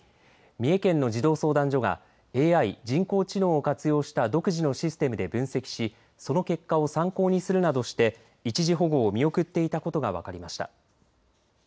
三重県の児童相談所がＡＩ、人工知能を活用した独自のシステムで分析しその結果を参考にするなどして一時保護を見送っていたことが分かりました。